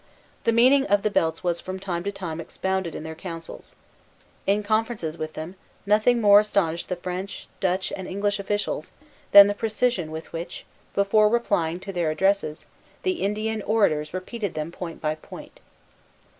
The meaning of the belts was from time to time expounded in their councils. In conferences with them, nothing more astonished the French, Dutch, and English officials than the precision with which, before replying to their addresses, the Indian orators repeated them point by point.